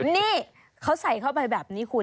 นี่เขาใส่เข้าไปแบบนี้คุณ